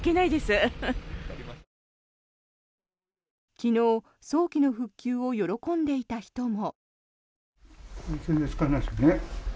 昨日、早期の復旧を喜んでいた人も。